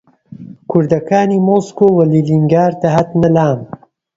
کوردەکانی مۆسکۆ و لینینگراد دەهاتنە لام